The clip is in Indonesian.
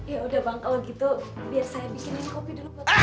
ya udah bang kalau gitu biar saya bikin kopi dulu putri